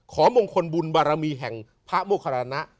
มงคลบุญบารมีแห่งพระโมคารณะ